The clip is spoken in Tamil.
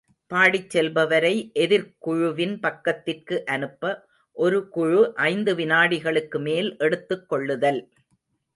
பாடிச் செல்பவரை எதிர்க்குழுவின் பக்கத்திற்கு அனுப்ப, ஒரு குழு ஐந்து வினாடிகளுக்கு மேல் எடுத்துக் கொள்ளுதல்.